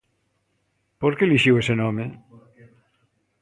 Por que elixiu ese nome?